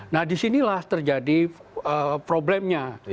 nah disinilah terjadi problemnya